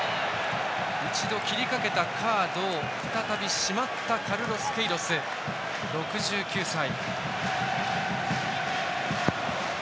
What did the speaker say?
一度、切りかけたカードを再びしまったカルロス・ケイロス、６９歳。